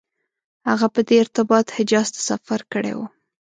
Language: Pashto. هغه په دې ارتباط حجاز ته سفر کړی و.